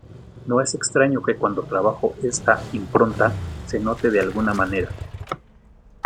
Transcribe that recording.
No es extraño que cuando trabajo esta impronta se note de alguna manera".